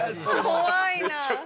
怖いな。